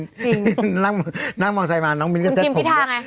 จริงนั่งมอไซด์มาน้องมิ้นท์ก็เซ็ตผมด้วย